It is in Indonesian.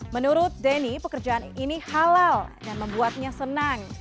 menurut denny pekerjaan ini halal dan membuatnya senang